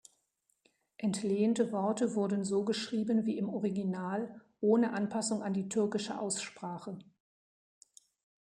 Entlehnte Worte wurden so geschrieben wie im Original ohne Anpassung an die türkische Aussprache.